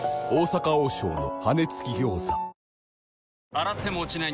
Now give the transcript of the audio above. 洗っても落ちない